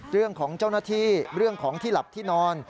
เรื่องของเจ้าหน้าที่เรื่องของที่หลับที่นอน